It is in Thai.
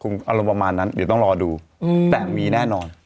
อะไรประมาณนั้นเดี๋ยวต้องรอดูแต่มีแน่นอน